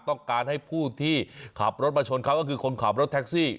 ต้องการให้ผู้ที่ขับรถมาชนเขาก็คือคนขับรถแท็กซี่